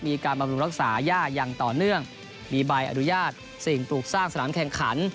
บำรุงรักษาย่าอย่างต่อเนื่องมีใบอนุญาตสิ่งปลูกสร้างสนามแข่งขัน